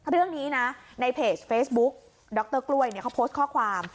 เรื่องนี้นะในเพจเฟซบุ๊กดรกล้วยเขาโพสต์ข้อความ